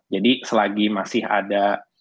jadi selagi masih ada